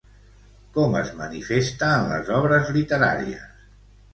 Com es manifesta en les obres literàries?